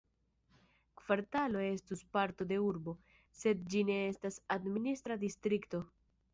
Kvartalo estus parto de urbo, sed ĝi ne estas administra distrikto.